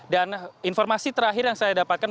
dan informasi terakhir yang saya dapatkan